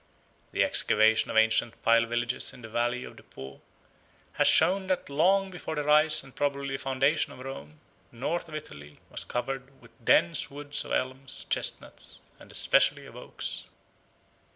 The excavation of ancient pile villages in the valley of the Po has shown that long before the rise and probably the foundation of Rome the north of Italy was covered with dense woods of elms, chestnuts, and especially of oaks.